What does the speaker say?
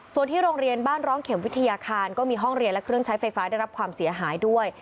ส่วนที่โรงเรียนบ้านร้องเข็มวิทยาคารก็มีห้องเรียนและเครื่องใช้ไฟฟ้าได้รับความเสียหายด้วย